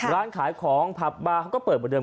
ร้านขายของผับบาร์เขาก็เปิดเหมือนเดิ